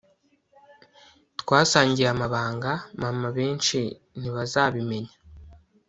twasangiye amabanga, mama benshi ntibazabimenya